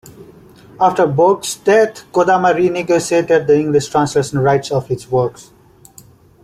After Borges's death, Kodama renegotiated the English translation rights of his works.